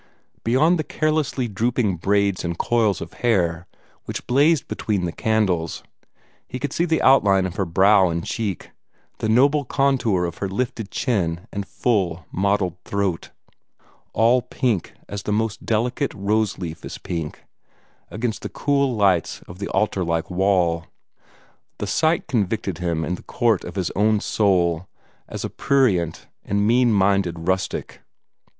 Beyond the carelessly drooping braids and coils of hair which blazed between the candles, he could see the outline of her brow and cheek, the noble contour of her lifted chin and full, modelled throat, all pink as the most delicate rose leaf is pink, against the cool lights of the altar like wall. The sight convicted him in the court of his own soul as a prurient and mean minded rustic.